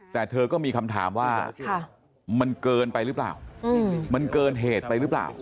แต่เธอก็มีคำถามว่ามันเกินไปหรือเปล่ามันเกินเหตุไปหรือเปล่า